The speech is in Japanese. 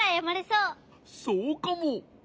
そうかも。